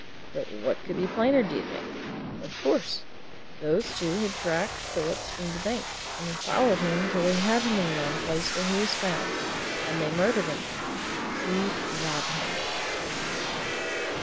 But what could be plainer, d'ye think? of course, those two had tracked Phillips from the bank, and they followed him till they had him in yon place where he was found, and they murdered him to rob him!"